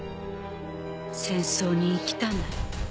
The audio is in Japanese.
戦争に行きたない。